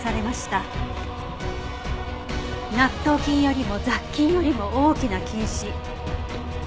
納豆菌よりも雑菌よりも大きな菌糸。